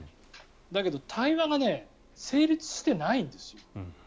だけど対話が成立してないんですよ。